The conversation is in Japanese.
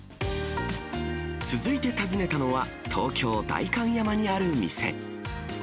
続いて訪ねたのは東京・代官山にある店。